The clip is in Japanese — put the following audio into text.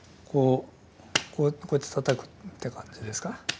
こうやってたたくって感じですか？